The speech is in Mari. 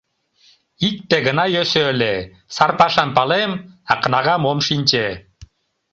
Икте гына йӧсӧ ыле: сар пашам палем, а кнагам ом шинче.